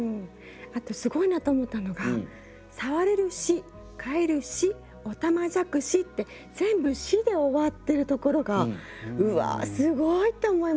あとすごいなと思ったのが「さわれるし」「かえるし」「おたまじゃくし」って全部「し」で終わってるところがうわすごい！って思いました。